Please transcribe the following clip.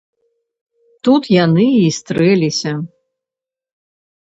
Тут яны й стрэліся.